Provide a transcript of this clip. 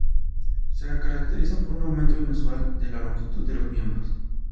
Se caracteriza por un aumento inusual de la longitud de los miembros.